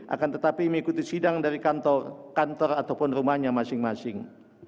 akan tetapi mengikuti sidang dari kantor ataupun rumahnya masing masing